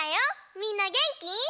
みんなげんき？